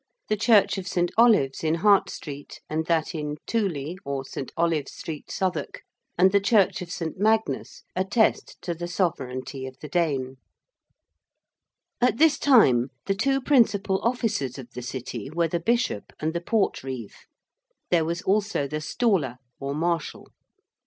The church of St. Olave's in Hart Street, and that in 'Tooley,' or St. Olave's Street, Southwark, and the Church of St. Magnus, attest to the sovereignty of the Dane. [Illustration: SAXON HORSEMEN. (Harl. MS. 603.)] At this time the two principal officers of the City were the Bishop and the Portreeve: there was also the 'Staller' or Marshal.